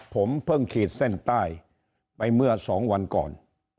ผมเพิ่งขีดเส้นใต้ไปเมื่อ๒วันก่อน